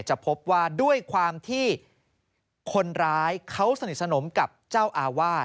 จะพบว่าด้วยความที่คนร้ายเขาสนิทสนมกับเจ้าอาวาส